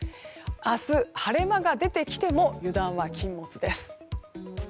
明日、晴れ間が出てきても油断は禁物です。